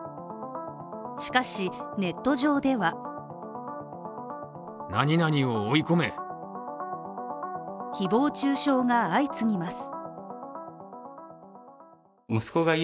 しかし、ネット上では誹謗中傷が相次ぎます。